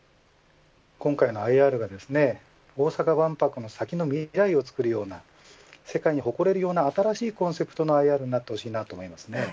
今回のＩＲが大阪万博の先の未来を作るような世界に誇れるような新しいコンセプトのＩＲになってほしいと思います。